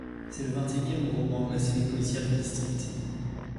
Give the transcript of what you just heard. C’est le vingt et unième roman de la série policière du District.